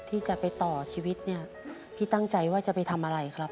ที่จะไปต่อชีวิตเนี่ยพี่ตั้งใจว่าจะไปทำอะไรครับ